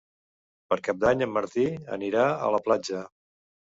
Per Cap d'Any en Martí anirà a la platja.